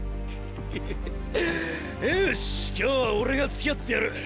今日は俺がつきあってやる。